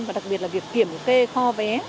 và đặc biệt là việc kiểm kê kho vé